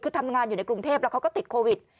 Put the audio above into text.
คือทำงานอยู่ในกรุงเทพแล้วเขาก็ติดโควิด